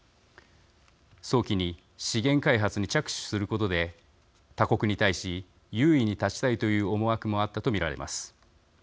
早期に資源開発に着手することで他国に対し優位に立ちたいという思惑もあったと見られます。